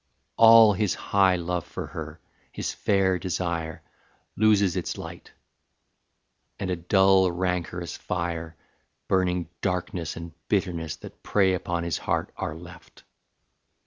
All his high love for her, his fair desire, Loses its light; and a dull rancorous fire, Burning darkness and bitterness that prey Upon his heart are left.